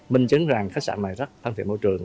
minh chứng rằng khách sạn này rất thân thiện môi trường